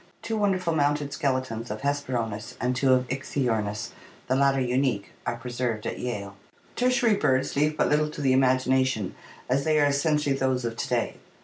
Two wonderful mounted skeletons of Hesperornis and two of Ichthyornis, the latter unique, are preserved at Yale. Tertiary birds leave but little to the imagination, as they are essentially those of to day.